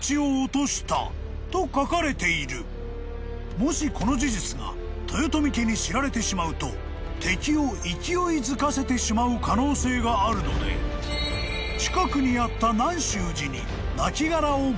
［もしこの事実が豊臣家に知られてしまうと敵を勢いづかせてしまう可能性があるので近くにあった］